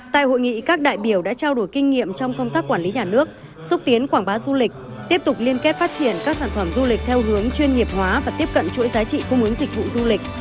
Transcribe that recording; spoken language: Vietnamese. tại hội nghị các đại biểu đã trao đổi kinh nghiệm trong công tác quản lý nhà nước xúc tiến quảng bá du lịch tiếp tục liên kết phát triển các sản phẩm du lịch theo hướng chuyên nghiệp hóa và tiếp cận chuỗi giá trị cung ứng dịch vụ du lịch